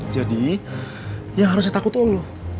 jadi yang harus saya takut tuh lo